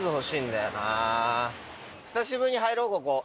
久しぶりに入ろうここ。